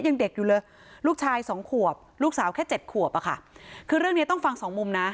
ยังเด็กอยู่เลยลูกชายสองขวบลูกสาวแค่เจ็ดขวบอะค่ะคือเรื่องเนี้ยต้องฟังสองมุมนะ